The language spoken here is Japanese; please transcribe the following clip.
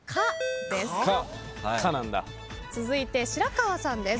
続いて白河さんです。